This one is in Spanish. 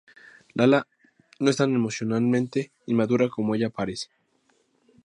Lala no es tan emocionalmente inmadura como ella parece.